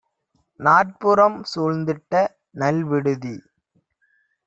நாற்புறம் சூழ்ந்திட்ட நல்விடுதி!